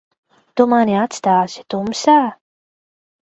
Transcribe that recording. Tu mani atstāsi tumsā?